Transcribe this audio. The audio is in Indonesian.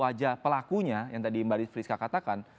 jadi kita bisa lihat aja pelakunya yang tadi mbak rief riska katakan